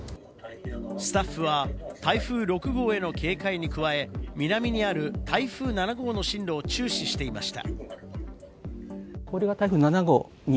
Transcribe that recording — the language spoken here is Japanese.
スタッフは台風６号への警戒に加え、南にある台風７号の進路を注視していました。